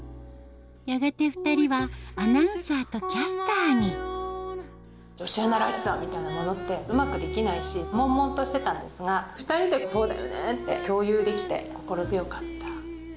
やがて２人はアナウンサーとキャスターに女子アナらしさみたいなものってうまくできないし悶々としてたんですが２人で「そうだよね」って共有できて心強かった。